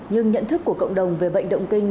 nhưng nhận thức của cộng đồng về bệnh động kinh